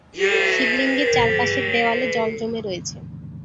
শিব লিঙ্গের চার পাশের দেওয়ালে জল জমে রয়েছে।